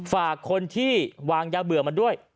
ฝากคนที่วางยาเบื่อมาด้วย